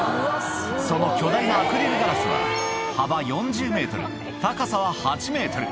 その巨大なアクリルガラスは、幅４０メートル、高さは８メートル。